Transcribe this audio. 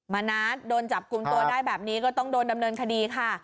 ณัฐโดนจับกลุ่มตัวได้แบบนี้ก็ต้องโดนดำเนินคดีค่ะ